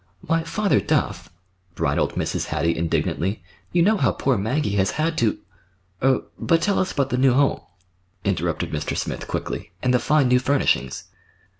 "Why, Father Duff," bridled Mrs. Hattie indignantly, "you know how poor Maggie has had to—" "Er—but tell us about the new home," interrupted Mr. Smith quickly, "and the fine new furnishings."